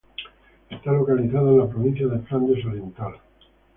Está localizada en la provincia de Flandes Oriental.